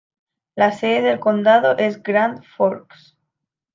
La sede del condado es Grand Forks.